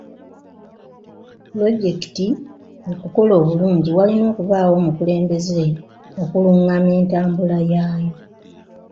Pulojekiti okukola obulungi walina okubaawo omukulembeze okulungamya entambula yaayo.